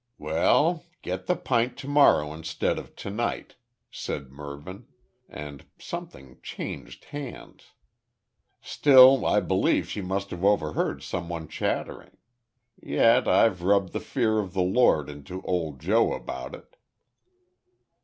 "Well, get the pint to morrow instead of to night," said Mervyn, and something changed hands. "Still, I believe she must have overheard some one chattering; yet I've rubbed the fear of the Lord into old Joe about it."